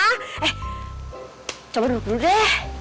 eh coba duduk deh